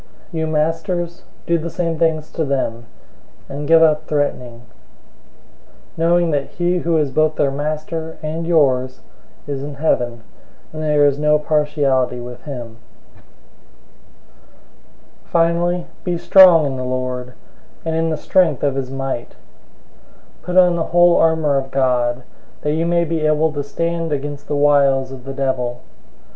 006:009 You masters, do the same things to them, and give up threatening, knowing that he who is both their Master and yours is in heaven, and there is no partiality with him. 006:010 Finally, be strong in the Lord, and in the strength of his might. 006:011 Put on the whole armor of God, that you may be able to stand against the wiles of the devil.